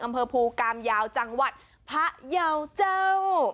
อำเภอภูกามยาวจังหวัดพะเยาเจ้า